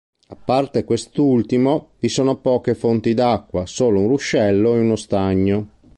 A parte quest'ultimo, vi sono poche fonti d'acqua; solo un ruscello e uno stagno.